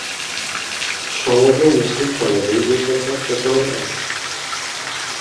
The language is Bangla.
সমগ্র মুসলিম সমাজেই এ প্রথার প্রচলন আছে।